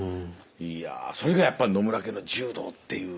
いやそれがやっぱり野村家の柔道っていう。